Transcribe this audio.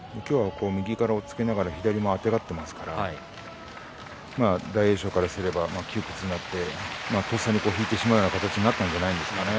今日は右から押っつけながら左もあてがっていますから大栄翔からすれば窮屈になってとっさに引いてしまうような形になったんじゃないですかね。